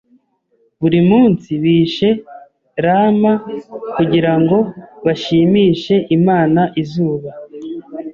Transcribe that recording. Buri munsi bishe llama kugirango bashimishe Imana izuba.